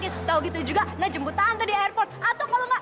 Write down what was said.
kalau gitu juga ngejemput tante di airport